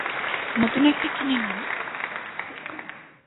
নতুন একটা কিনে নিন?